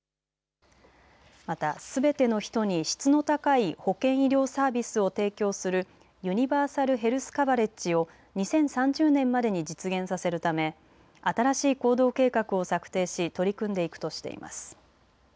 また、すべての人に質の高い保健・医療サービスを提供するユニバーサル・ヘルス・カバレッジを２０３０年までに実現させるため新しい行動計画を策定し取り組んでいくとしています。